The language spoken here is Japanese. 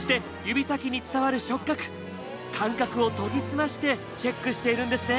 感覚を研ぎ澄ましてチェックしているんですね。